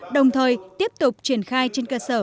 đồng thời tiếp tục triển khai trên cơ sở